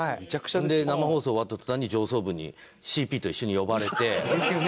生放送終わった途端に上層部にＣＰと一緒に呼ばれて。ですよね。